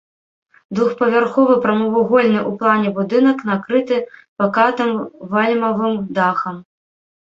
Двухпавярховы прамавугольны ў плане будынак накрыты пакатым вальмавым дахам.